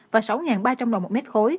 và sáu ba trăm linh đồng một mét khối